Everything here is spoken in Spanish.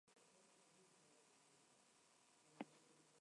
Se pasan el vino los unos a los otros.